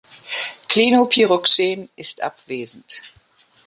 Klinopyroxen ist abwesend.